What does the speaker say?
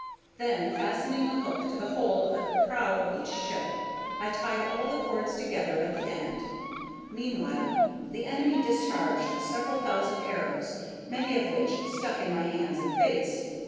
Then, fastening a hook to the hole at the prow of each ship, I tied all the cords together at the end. Meanwhile the enemy discharged several thousand arrows, many of which stuck in my hands and face.